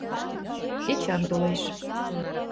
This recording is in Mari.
Эчан толеш.